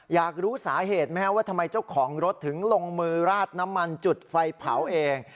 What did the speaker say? อยากรู้สาเหตุไหมครับว่าทำไมเจ้าของรถถึงลงมือราดน้ำมันจุดไฟเผาเอง